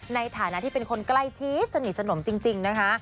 ในฐานะที่เป็นคนใกล้ชิดสนิทสนมจริงนะคะ